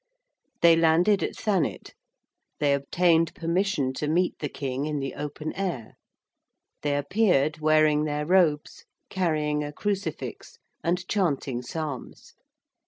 They landed at Thanet. They obtained permission to meet the King in the open air. They appeared wearing their robes, carrying a crucifix, and chanting Psalms.